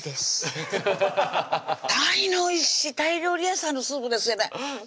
タイのおいしいタイ料理屋さんのスープですよね